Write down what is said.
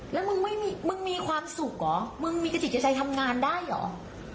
แล้วมึงมีความสุขหรอมึงมีกระจิตใจทำงานได้หรอ